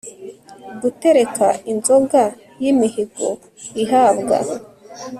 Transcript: gutereka inzoga y'imihigo ihabwa